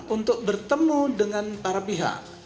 untuk bertemu dengan para pihak